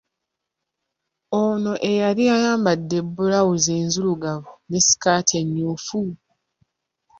Ono eyali ayambadde bbulawuzi enzirugavu ne ssikaati emyufu.